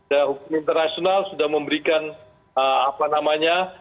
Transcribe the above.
ya hukum internasional sudah memberikan apa namanya